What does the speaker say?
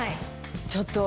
ちょっと。